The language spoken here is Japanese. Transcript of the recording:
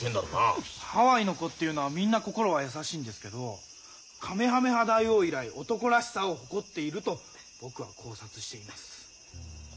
ハワイの子っていうのはみんな心は優しいんですけどカメハメハ大王以来男らしさを誇っていると僕は考察しています。